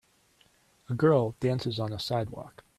A girl dances on a sidewalk.